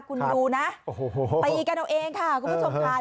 คุณดูนะตีกันเอาเองค่ะคุณผู้ชมค่ะ